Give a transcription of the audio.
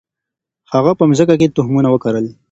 هغه په مځکي کي تخمونه وکرل.